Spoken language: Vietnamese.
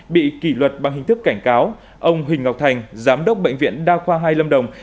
bị kỷ luật bằng hình thức cảnh cáo ông huỳnh ngọc thành giám đốc bệnh viện đa khoa hai lâm đồng